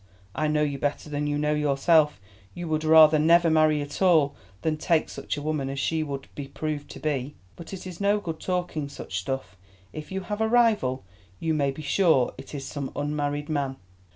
I know you better than you know yourself. You would rather never marry at all than take such a woman as she would be proved to be. But it is no good talking such stuff. If you have a rival you may be sure it is some unmarried man."